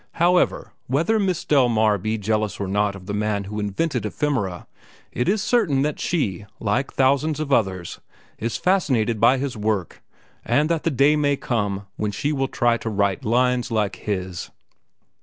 However, whether Miss Delmar be jealous or not of the man who invented 'Ephemera,' it is certain that she, like thousands of others, is fascinated by his work, and that the day may come when she will try to write lines like his."